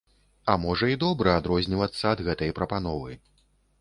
А можа і добра адрознівацца ад гэтай прапановы.